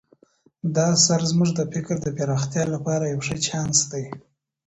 دا اثر زموږ د فکر د پراختیا لپاره یو ښه چانس دی.